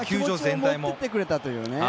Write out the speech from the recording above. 持って行ってくれたというね。